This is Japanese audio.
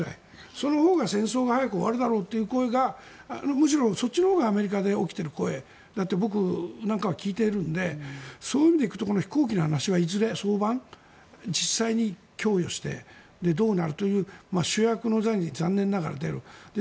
そのほうが戦争が早く終わるだろうという声がむしろそっちのほうがアメリカで起きている声だって僕なんかは聞いてるのでそういう意味で行くと飛行機の話なんかはいずれ早晩、実際に供与してどうなるという主役の座に残念ながら出る。